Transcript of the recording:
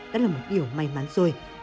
đó là một điều may mắn rồi